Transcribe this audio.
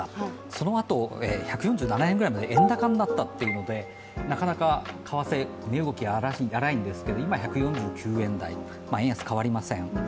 そのあと、１４７円ぐらいまで円高になったというので、なかなか為替、値動きが荒いんですけれども今は１４９円台、円安は変わりません。